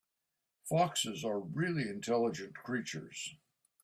Foxes are really intelligent creatures.